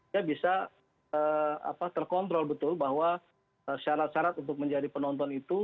dia bisa terkontrol betul bahwa syarat syarat untuk menjadi penonton itu